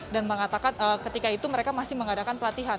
mengatakan ketika itu mereka masih mengadakan pelatihan